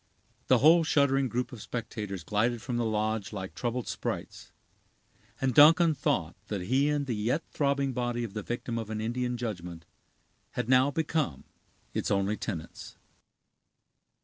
The whole shuddering group of spectators glided from the lodge like troubled sprites; and Duncan thought that he and the yet throbbing body of the victim of an Indian judgment had now become its only tenants.